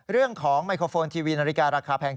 เรื่องของไมโครโฟนทีวีนาฬิการาคาแพง